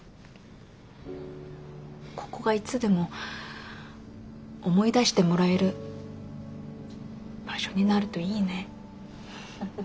ここがいつでも思い出してもらえる場所になるといいね。